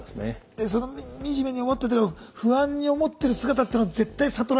でその惨めに思ってんだけど不安に思ってる姿っていうのは絶対悟られたくないですしね